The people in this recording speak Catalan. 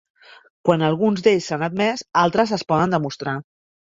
Quan alguns d'ells s'han admès, altres es poden demostrar.